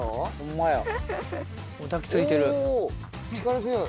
お力強い。